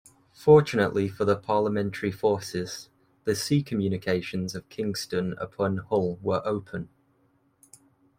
Fortunately for the Parliamentary forces, the sea communications of Kingston upon Hull were open.